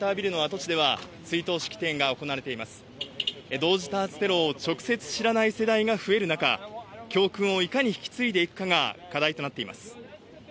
同時多発テロを直接、知らない世代が増える中教訓をいかに引き継いでいくかが課題となっています。